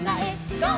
ゴー！」